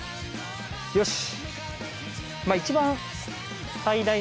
よし。